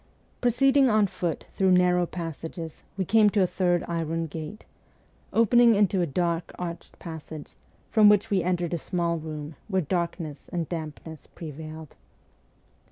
Proceeding on foot through narrow passages, we came to a third iron gate, opening into a dark arched passage, from which we entered a small room where darkness and dampness prevailed.